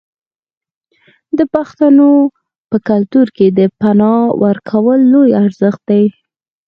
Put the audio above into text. د پښتنو په کلتور کې د پنا ورکول لوی ارزښت دی.